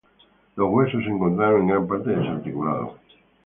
Los huesos se encontraron en gran parte desarticulados.